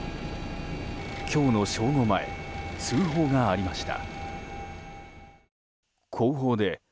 今日の正午前通報がありました。